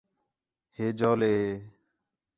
ہے جَولے ہے